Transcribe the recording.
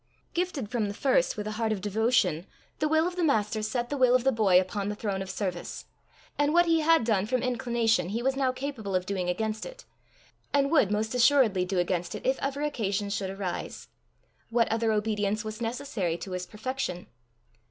Gifted from the first with a heart of devotion, the will of the Master set the will of the boy upon the throne of service, and what he had done from inclination he was now capable of doing against it, and would most assuredly do against it if ever occasion should arise: what other obedience was necessary to his perfection?